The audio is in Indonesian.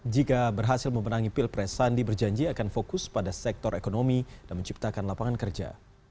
jika berhasil memenangi pilpres sandi berjanji akan fokus pada sektor ekonomi dan menciptakan lapangan kerja